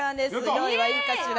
用意はいいかしら？